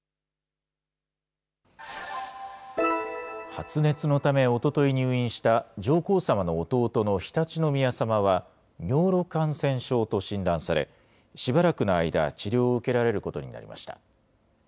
発熱のため、おととい入院した上皇さまの弟の常陸宮さまは、尿路感染症と診断され、しばらくの間、治療を受けられることになりました。